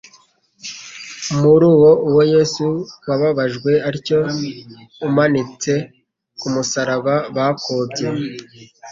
Muri uwo Yesu, wababajwe atyo, umanitse ku musaraba, bakobye,